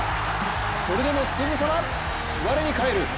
それでも、すぐさま、我に返る。